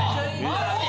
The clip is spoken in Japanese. マジ？